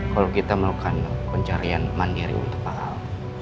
kalau kita melakukan pencarian mandiri untuk mahal